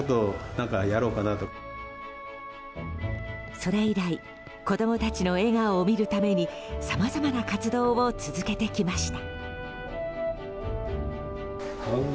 それ以来子供たちの笑顔を見るためにさまざまな活動を続けてきました。